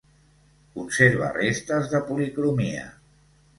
Conserva restes de policromia.